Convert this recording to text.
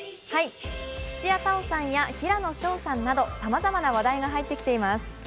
土屋太鳳さんや平野紫耀さんなどさまざまな話題が入っています。